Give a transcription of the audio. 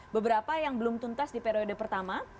beberapa yang belum tuntas di periode pertama